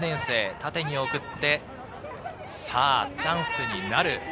縦に送ってチャンスになる。